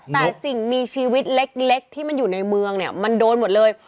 แต่สิ่งมีชีวิตเล็กที่มันอยู่ในเมืองเนี่ยมันโดนหมดเลย